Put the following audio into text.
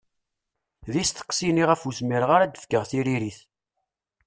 D isteqsiyen i ɣef ur zmireɣ ara ad d-fkeɣ tiririt.